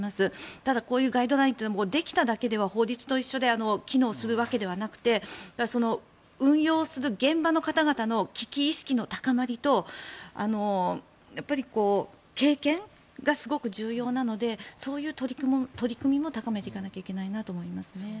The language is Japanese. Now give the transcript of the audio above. ただこういうガイドラインはできただけでは法律と一緒で機能するわけではなくて運用する現場の方々の危機意識の高まりと経験がすごく重要なのでそういう取り組みも高めていかなきゃいけないと思います。